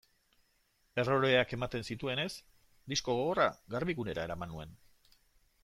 Erroreak ematen zituenez, disko gogorra Garbigunera eraman nuen.